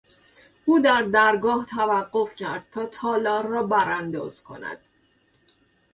او در درگاه توقف کرد تا تالار را برانداز کند.